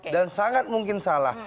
dan sangat mungkin salah